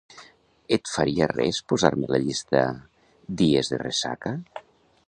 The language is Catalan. Et faria res posar-me la llista "dies de ressaca"?